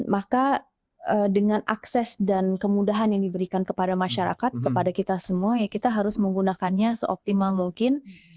maka dengan akses dan kemudahan yang diberikan kepada masyarakat kepada kita semua ya kita harus menggunakannya seoptimal mungkin